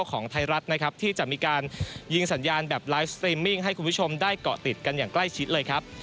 ของไทยรัฐนะครับที่จะมีการยิงสัญญาณแบบไลฟ์สตรีมมิ่งให้คุณผู้ชมได้เกาะติดกันอย่างใกล้ชิดเลยครับ